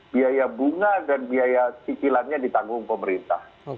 biaya bunga dan biaya cicilannya ditanggung pemerintah